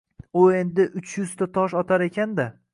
U endi uch yuzta tosh otar ekan-da.